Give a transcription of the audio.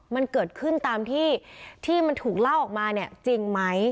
มันเกิดขึ้นตามที่ที่มันถูกเล่าออกมาเนี่ยจริงไหม